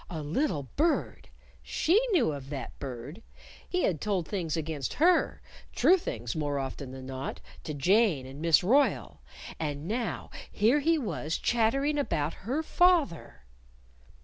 A little bird! She knew of that bird! He had told things against her true things more often than not to Jane and Miss Royle. And now here he was chattering about her father!